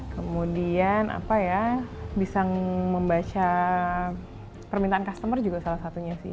kemudian apa ya bisa membaca permintaan customer juga salah satunya sih